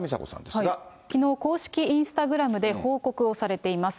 きのう、公式インスタグラムで報告をされています。